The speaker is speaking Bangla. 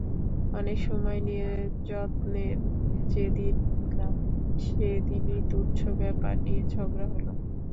অনেক সময় নিয়ে যত্নে যেদিন দিলাম, সেদিনই তুচ্ছ ব্যাপার নিয়ে ঝগড়া হলো।